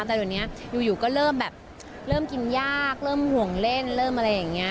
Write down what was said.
แต่เดี๋ยวนี้อยู่ก็เริ่มแบบเริ่มกินยากเริ่มห่วงเล่นเริ่มอะไรอย่างนี้